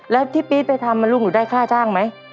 แล้วที่ปี๊ดไปทำลูกหนูได้ค่าจ้างไหม